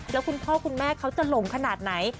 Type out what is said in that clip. แล้วคุณพ่อคุณแม่เขาจะหลงขนาดไหน